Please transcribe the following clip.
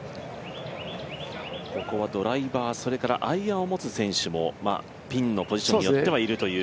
ここはドライバー、それからアイアンを持つ選手もピンのポジションによってはいるという。